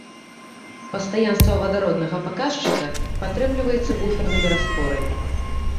Пастаянства вадароднага паказчыка падтрымліваецца буфернымі растворамі.